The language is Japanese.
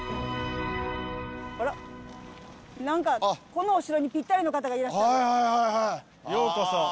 あら何かこのお城にぴったりの方がいらっしゃいますよ。